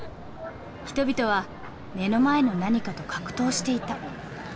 人々は目の前の何かと格闘していた。